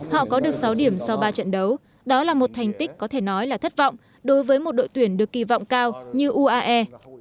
họ có được sáu điểm sau ba trận đấu đó là một thành tích có thể nói là thất vọng đối với một đội tuyển được kỳ vọng cao như uae